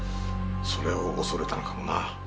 それを恐れたのかもな。